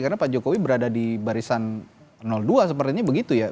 karena pak jokowi berada di barisan dua sepertinya begitu ya